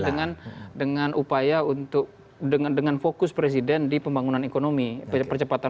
dengan dengan upaya untuk dengan dengan fokus presiden di pembangunan ekonomi percepatan